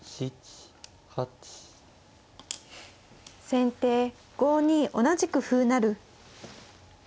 先手５二同じく歩成。